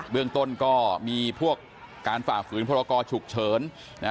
เรื่องต้นก็มีพวกการฝ่าฝืนพรกรฉุกเฉิน